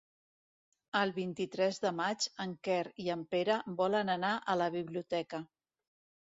El vint-i-tres de maig en Quer i en Pere volen anar a la biblioteca.